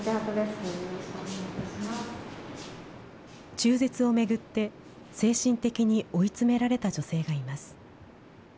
中絶を巡って、精神的に追い詰められた女性がいます。